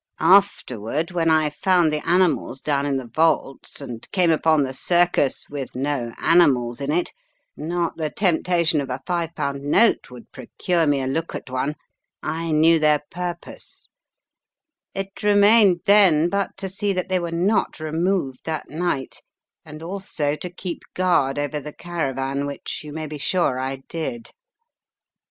"Afterward, when I found the animals down in the vaults and came upon the circus with no animals in it — not the temptation of a £5 note would procure S06 The Riddle of the Purple Emperor me a look at one — I knew their purpose. It remained then but to see that they were not removed that night, and also to keep guard over the caravan, which you may be sure I did.